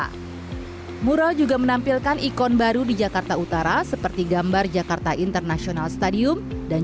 hai mural juga menampilkan ikon baru di jakarta utara seperti gambar jakarta international stadium dan